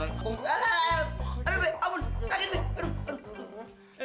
aduh be amun sakit be